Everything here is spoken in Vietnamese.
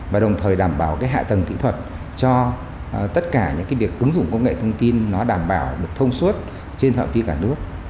và đồng thời đảm bảo cái hạ tầng kỹ thuật cho tất cả những việc ứng dụng công nghệ thông tin nó đảm bảo được thông suốt trên thọ phi cả nước